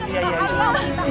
ini istrinya udah kesakitan